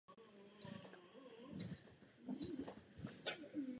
Údajně jsou pod kontrolou společnosti Atlantik finanční trhy.